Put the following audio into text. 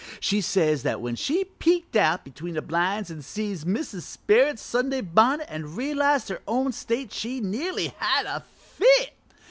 She says when she peeked out between the blinds an' see Mrs. Sperrit's Sunday bonnet an' realized her own state she nearly had a fit.